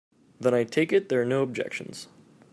Then I take it there are no objections.